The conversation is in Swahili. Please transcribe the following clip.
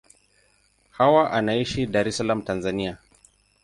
Hawa anaishi Dar es Salaam, Tanzania.